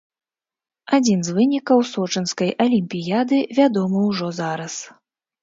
Адзін з вынікаў сочынскай алімпіяды вядомы ўжо зараз.